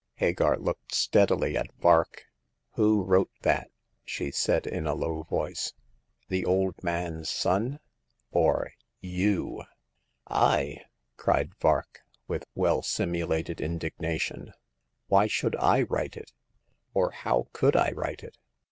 Hagar looked steadily at Vark. " Who wrote that," she said in a low voice—" the old man's son or— yon ?" The Coming of Hagar. 31 " I ?" cried Vark, with well simulated indigna tion, why should I write it ?— or how could I write it